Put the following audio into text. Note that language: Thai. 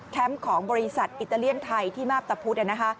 ของบริษัทอิตาเลียนไทยที่มาพตะพุธนะคะ